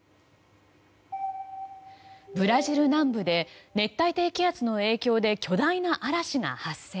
ブラジル南部で熱帯低気圧の影響で巨大な嵐が発生。